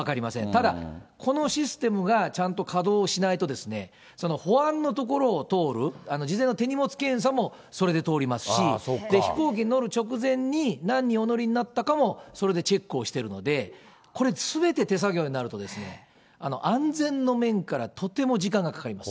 ただ、このシステムがちゃんと稼働しないとですね、保安の所を通る、事前の手荷物検査もそれで通りますし、飛行機に乗る直前に、何人お乗りになったかもそれでチェックをしてるので、これ、すべて手作業になると、安全の面からとっても時間がかかります。